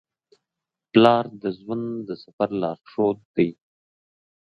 پلار د ژوند د سفر لارښود دی.